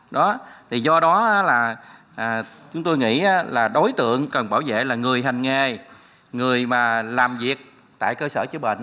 do đó chúng tôi nghĩ đối tượng cần bảo vệ là người hành nghề người làm việc tại cơ sở chữa bệnh